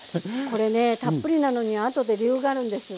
これねたっぷりなのにはあとで理由があるんです。